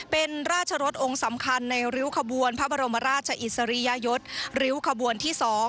เป็นราชรสองค์สำคัญในริ้วขบวนพระบรมราชอิสริยยศริ้วขบวนที่๒